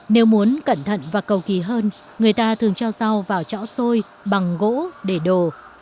nếu muốn cẩn thận và cầu kỳ hơn người ta thường cho rau vào chõ sôi bằng gỗ để đồ